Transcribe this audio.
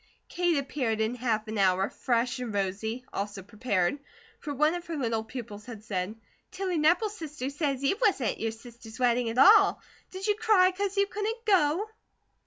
Kate appeared in half an hour, fresh and rosy, also prepared; for one of her little pupils had said: "Tilly Nepple's sister say you wasn't at your sister's wedding at all. Did you cry 'cause you couldn't go?"